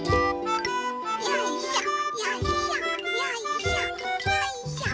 よいしょ。